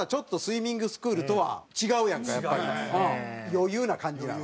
余裕な感じなの？